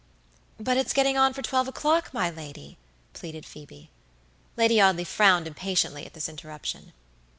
"But it's getting on for twelve o'clock, my lady," pleaded Phoebe. Lady Audley frowned impatiently at this interruption.